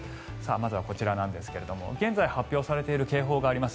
まずはこちら現在発表されている警報があります。